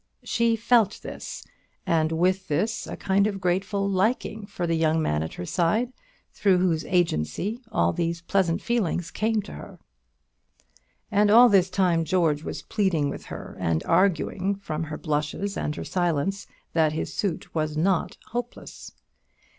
She felt this; and with this a kind of grateful liking for the young man at her side, through whose agency all these pleasant feelings came to her. And all this time George was pleading with her, and arguing, from her blushes and her silence, that his suit was not hopeless.